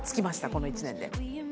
この１年で。